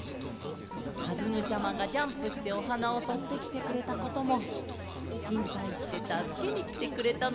かずむちゃまがジャンプしておはなをとってきてくれたこともしんぱいしてたすけにきてくれたのもうれしいケロ。